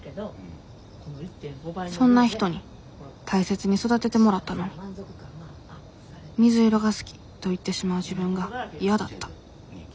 そんな人に大切に育ててもらったのに水色が好きと言ってしまう自分が嫌だった。